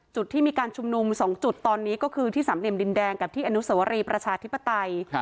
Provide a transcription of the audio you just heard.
จุดที่มีการชุมนุม๒จุดตอนนี้ก็คือที่สามเหลี่ยมดินแดงกับที่อนุสวรีประชาธิปไตย